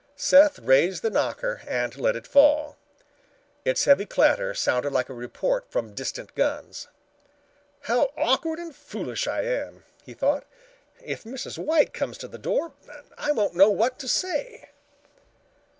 Seth raised the knocker and let it fall. Its heavy clatter sounded like a report from distant guns. "How awkward and foolish I am," he thought. "If Mrs. White comes to the door, I won't know what to say."